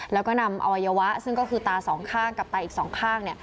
แล้วก็นำอวัยวะซึ่งก็คือตาสองข้างกับตาอีกสองข้าง